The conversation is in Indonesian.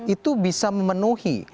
itu bisa memenuhi